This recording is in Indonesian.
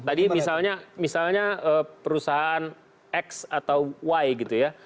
tadi misalnya perusahaan x atau y gitu ya